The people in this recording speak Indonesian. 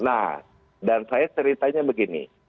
nah dan saya ceritanya begini